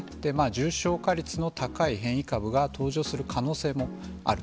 重症化率の高い変異株が登場する可能性もある。